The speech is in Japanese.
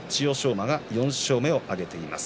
馬が４勝目を挙げています。